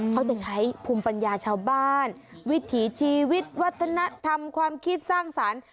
เขาจะใช้ภูมิปัญญาชาวบ้านวิถีชีวิตวัฒนธรรมความคิดสร้างสรรค์